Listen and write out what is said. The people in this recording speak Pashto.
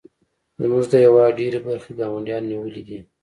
زموږ د هیواد ډیرې برخې ګاونډیانو نیولې دي